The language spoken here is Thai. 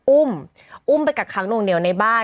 อุ้มอุ้มไปกักค้างนวงเหนียวในบ้าน